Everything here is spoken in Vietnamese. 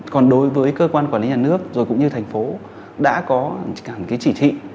còn đối với cơ quan quản lý nhà nước rồi cũng như thành phố đã có cả một cái chỉ thị